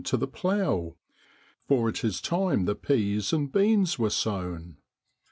to the plough, for it is time the pease and beans were sown.